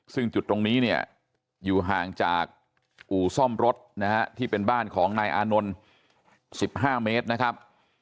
ซึ่งจุดตรงนี้เนี่ยอยู่ห่างจากอู่ซ่อมรถนะฮะที่เป็นบ้านของนายอานนท์๑๕เมตรนะครับ